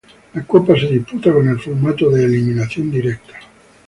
La copa se disputa con el formato de eliminación directa.